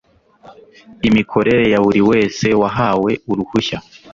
imikorere ya buri wese wahawe uruhushya